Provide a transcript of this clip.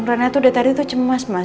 renet udah tadi tuh cemas mas